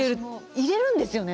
入れるんですよね？